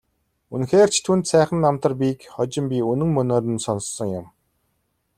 Үнэхээр ч түүнд сайхан намтар бийг хожим би үнэн мөнөөр нь сонссон юм.